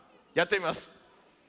やってみます。